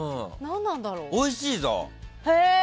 おいしいぞ。